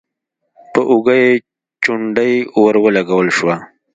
په اوږه يې چونډۍ ور ولګول شوه: